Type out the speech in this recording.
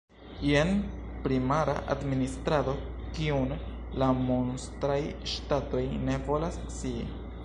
Jen primara administrado, kiun la monstraj ŝtatoj ne volas scii.